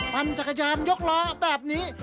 ปั่นจักรยานยกล้อแบบนี้